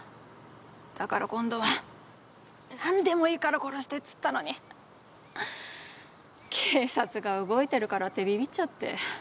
だから今度はなんでもいいから殺してって言ったのに警察が動いてるからってビビッちゃって。